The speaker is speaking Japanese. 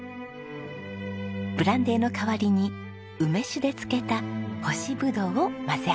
ブランデーの代わりに梅酒で漬けた干しブドウを混ぜ合わせます。